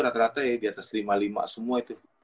rata rata ya diatas lima puluh lima semua itu